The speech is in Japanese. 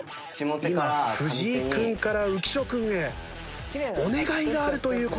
今藤井君から浮所君へ「お願いがある」という言葉がありました。